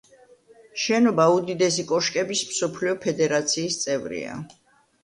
შენობა უდიდესი კოშკების მსოფლიო ფედერაციის წევრია.